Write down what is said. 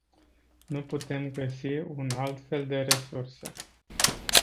Nu putem găsi un alt fel de resurse.